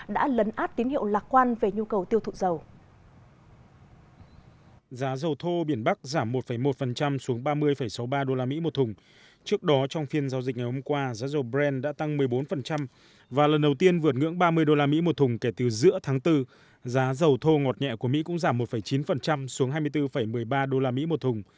đã lấn át tín hiệu lạc quan về nhu cầu tiêu thụ dầu